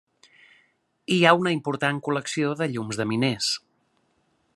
Hi ha una important col·lecció de llums de miners.